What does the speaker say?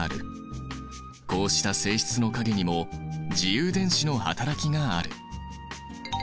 こうした性質の陰にも自由電子の働きがある。